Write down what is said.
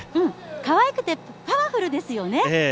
かわいくてパワフルですよね。